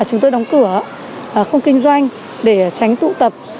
chúng tôi đóng cửa không kinh doanh để tránh tụ tập